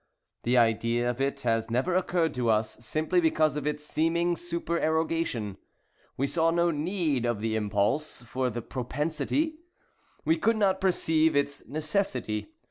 The idea of it has never occurred to us, simply because of its supererogation. We saw no need of the impulse—for the propensity. We could not perceive its necessity.